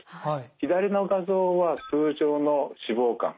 左の画像は通常の脂肪肝。